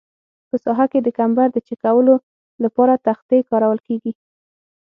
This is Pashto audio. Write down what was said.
په ساحه کې د کمبر د چک کولو لپاره تختې کارول کیږي